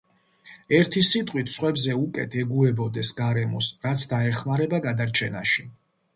ერთი სიტყვით, სხვებზე უკეთ ეგუებოდეს გარემოს, რაც დაეხმარება გადარჩენაში.